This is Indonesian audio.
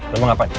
lu mau ngapain